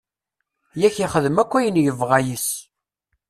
Yak ixdem akk ayen yebɣa yes-s.